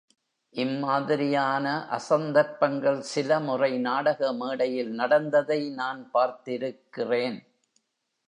இம் மாதிரியான அசந்தர்ப்பங்கள் சில முறை நாடக மேடையில் நடந்ததை நான் பார்த்திருக்கிறேன்.